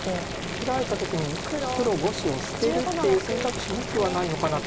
切られた時に黒５子を捨てるっていう選択肢もなくはないのかなと思うんですけど。